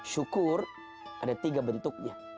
syukur ada tiga bentuknya